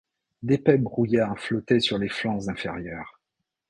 D’épais brouillards flottaient sur les flancs inférieurs.